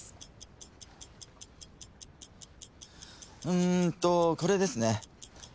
うーんとこれですね。